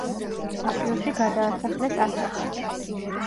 აპრილში გადაასახლეს ასტრახანში.